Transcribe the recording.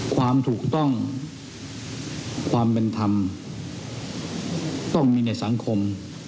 ความถูกต้องความเป็นธรรมต้องมีในสังคม